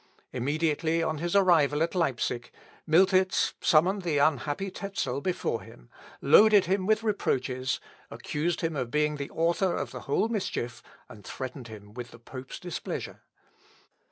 Immediately on his arrival at Leipsic Miltitz summoned the unhappy Tezel before him, loaded him with reproaches, accused him of being the author of the whole mischief, and threatened him with the pope's displeasure.